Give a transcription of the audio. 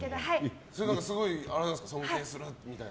すごい尊敬するみたいな？